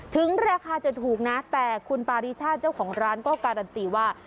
ถึงราคาจะถูกนะแต่คุณปาริชาติเจ้าของร้านก็การันตีว่า